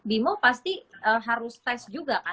bimo pasti harus tes juga kan